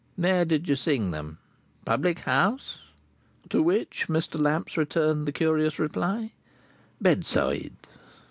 Where did you sing them? Public house?" To which Mr. Lamps returned the curious reply: "Bedside."